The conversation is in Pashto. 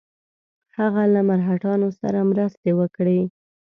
هغه له مرهټیانو سره مرستې وکړي.